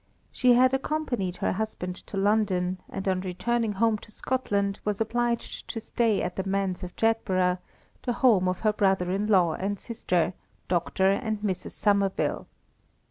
She had accompanied her husband to London, and on returning home to Scotland was obliged to stay at the Manse of Jedburgh, the home of her brother in law and sister, Dr. and Mrs. Somerville.